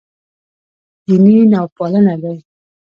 دیني نوپالنه دی.